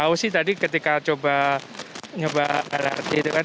tahu sih tadi ketika coba nyoba lrt itu kan